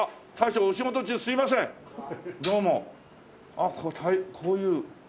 あっこういう。